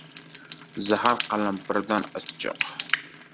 • Zarar qalampirdan achchiq.